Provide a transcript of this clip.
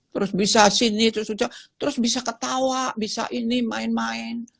terus bisa sini terus bisa ketawa bisa ini main main